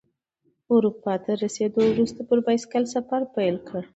اروپا ته رسیدو وروسته پر بایسکل سفر پیل کړ.